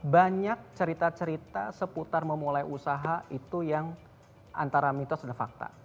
banyak cerita cerita seputar memulai usaha itu yang antara mitos dan fakta